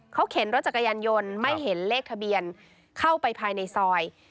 เขาเข็นรถจักรยานยนต์ไม่เห็นเลขทะเบียนเข้าไปภายในซอย